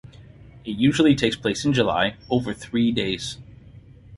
It usually takes place in July over three days.